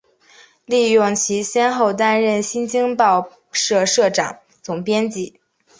利用其先后担任新京报社社长、总编辑